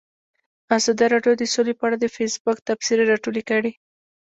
ازادي راډیو د سوله په اړه د فیسبوک تبصرې راټولې کړي.